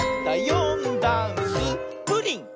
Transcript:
「よんだんす」「プリン」！